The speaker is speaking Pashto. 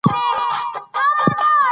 چې په حق کې مو هر رقم فيصله کړله.